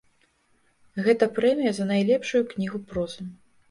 Гэта прэмія за найлепшую кнігу прозы.